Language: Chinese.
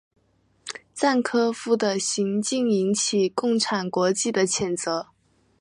赞科夫的行径引起共产国际的谴责。